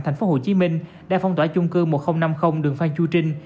thành phố hồ chí minh đã phong tỏa chung cư một nghìn năm mươi đường phan chu trinh